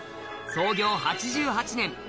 創業８８年。